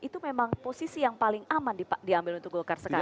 itu memang posisi yang paling aman diambil untuk golkar sekarang